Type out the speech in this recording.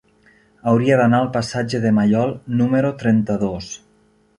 Hauria d'anar al passatge de Maiol número trenta-dos.